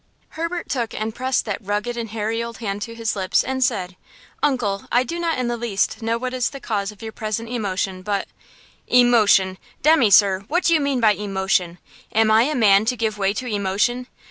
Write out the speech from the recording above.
Herbert took and pressed that rugged and hairy old hand to his lips, and said: "Uncle, I do not in the least know what is the cause of your present emotion, but–" "Emotion! Demmy, sir, what do you mean by emotion? Am I a man to give way to emotion?